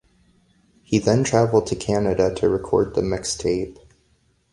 He then traveled to Canada to record the mixtape.